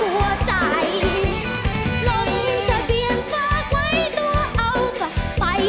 หัวใจลงจะเปลี่ยนฝากไว้ตัวเอาไป